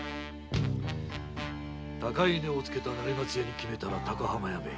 高い値をつけた成松屋に決めたら高浜屋め。